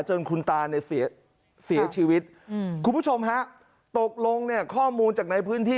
จนคุณตาเสียชีวิตคุณผู้ชมฮะตกลงข้อมูลจากในพื้นที่